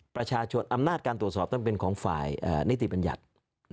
ประชาชนอำนาจการตรวจสอบต้องเป็นของฝ่ายนิติบัญญัติ